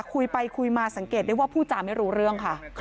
คุยไปคุยมาสังเกตได้ว่าผู้จาไม่รู้เรื่องค่ะ